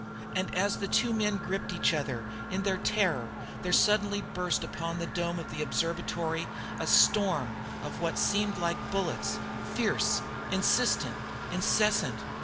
And as the two men gripped each other in their terror there suddenly burst upon the dome of the observatory a storm of what seemed to be bullets fierce, insistent, incessant.